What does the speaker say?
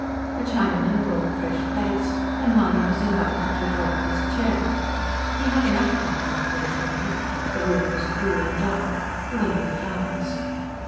A Chinaman brought fresh plates, and Mahony was invited to draw up his chair. He had an appetite after his ride; the room was cool and dark; there were no flies.